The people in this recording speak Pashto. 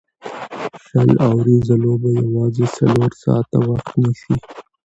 شل اووريزه لوبه یوازي څلور ساعته وخت نیسي.